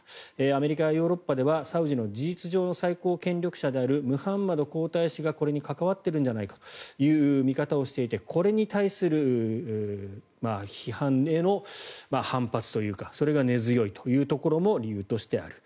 アメリカやヨーロッパではサウジの事実上の最高権力者であるムハンマド皇太子がこれに関わってるんじゃないかという見方をしていてこれに対する批判への反発というかそれが根強いというところも理由としてある。